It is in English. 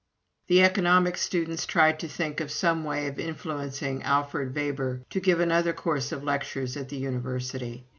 The economics students tried to think of some way of influencing Alfred Weber to give another course of lectures at the University.